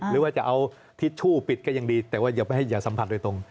หรือว่าจะเอาทิชชู่ปิดก็ยังดีแต่ว่าอย่าให้อย่าสัมผัสโดยตรง